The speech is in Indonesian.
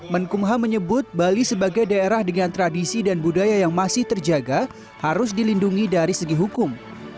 menkumham menyebut bali sebagai daerah dengan tradisi dan budaya yang masih terjaga harus dilindungi dari segi hukum